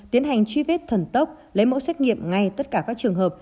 tiến hành truy vết thần tốc lấy mẫu xét nghiệm ngay tất cả các trường hợp